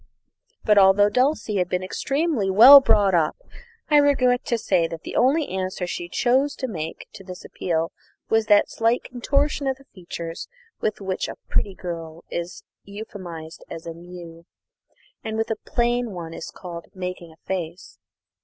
But although Dulcie had been extremely well brought up, I regret to say that the only answer she chose to make to this appeal was that slight contortion of the features, which with a pretty girl is euphemised as a "moue," and with a plain one is called "making a face."